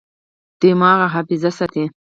دماغ حافظه ساتي.